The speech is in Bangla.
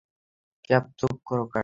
ক্যাট, চুপ করো, ক্যাট!